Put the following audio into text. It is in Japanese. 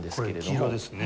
これ黄色ですね。